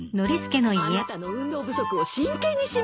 あなたの運動不足を真剣に心配してたのよ。